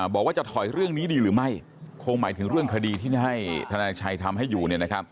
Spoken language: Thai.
บอกว่าจะถอยเรื่องนี้ดีหรือไม่คงหมายถึงเรื่องคดีที่ให้ธนาชัยทำให้อยู่